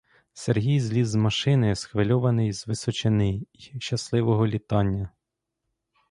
Сергій зліз з машини схвильований з височини й щасливого літання.